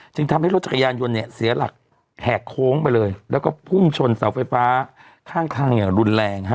ทำให้รถจักรยานยนต์เนี่ยเสียหลักแหกโค้งไปเลยแล้วก็พุ่งชนเสาไฟฟ้าข้างทางอย่างรุนแรงฮะ